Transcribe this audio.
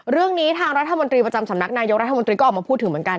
เรื่องนี้ทางรัฐมนตรีประจำสำนักนายกรัฐมนตรีก็ออกมาพูดถึงเหมือนกัน